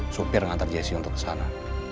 supir ngantar jessy untuk kesana